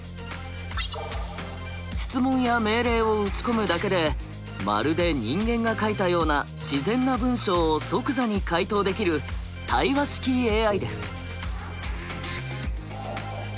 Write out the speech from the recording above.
質問や命令を打ち込むだけでまるで人間が書いたような自然な文章を即座に回答できる対話式ＡＩです。